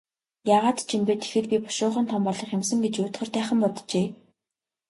Яагаад ч юм бэ, тэгэхэд би бушуухан том болох юм сан гэж уйтгартайхан боджээ.